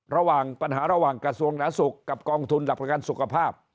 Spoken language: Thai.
ระหว่างปัญหาระหว่างกระทรวงหนาสุขกับกองทุนดับประกันสุขภาพ